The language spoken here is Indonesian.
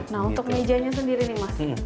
nah untuk mejanya sendiri nih mas